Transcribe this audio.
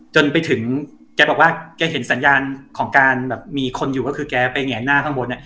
จนไปถึงแกบอกว่าแกเห็นสัญญาณของการแบบมีคนอยู่ก็คือแกไปแง่หน้าข้างบน